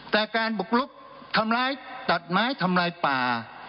แต่การบุกลุกทำร้ายตัดไม้ทำลายป่า